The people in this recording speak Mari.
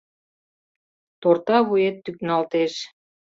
Торта вует тӱкналтеш.